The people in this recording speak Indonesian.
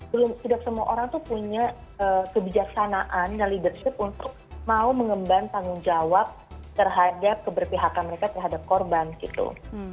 belum tidak semua orang tuh punya kebijaksanaan dan leadership untuk mau mengemban tanggung jawab terhadap keberpihakan mereka terhadap korban gitu